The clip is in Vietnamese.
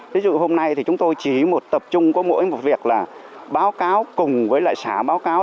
ví dụ hôm nay thì chúng tôi chỉ một tập trung có mỗi một việc là báo cáo cùng với lại xã báo cáo